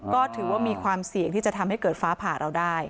ก็ถือว่ามีความเสี่ยงที่จะทำให้เกิดฟ้าผ่าเราได้